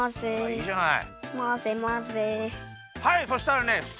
いいじゃない。